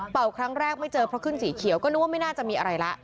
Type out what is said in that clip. ครั้งแรกไม่เจอเพราะขึ้นสีเขียวก็นึกว่าไม่น่าจะมีอะไรละ